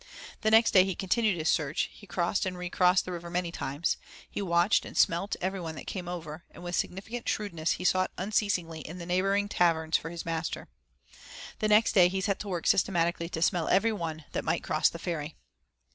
The next day he continued his search, he crossed and recrossed the river many times. He watched and smelt everyone that came over, and with significant shrewdness he sought unceasingly in the neighboring taverns for his master. The next day he set to work systematically to smell everyone that might cross the ferry.